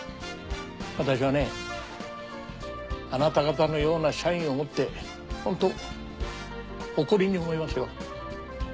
私はねあなた方のような社員を持ってほんと誇りに思いますよ。